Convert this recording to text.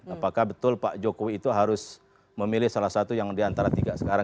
apakah betul pak jokowi itu harus memilih salah satu yang diantara tiga sekarang